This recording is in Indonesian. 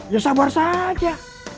ya sabar saja